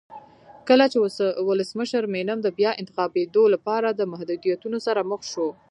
کله چې ولسمشر مینم د بیا انتخابېدو لپاره له محدودیتونو سره مخ شو.